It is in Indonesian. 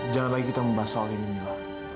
jangan lagi kita membahas soal ini mila